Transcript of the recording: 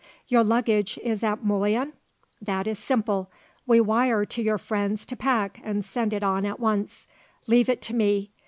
Your luggage is at Mullion? That is simple. We wire to your friends to pack and send it on at once. Leave it to me.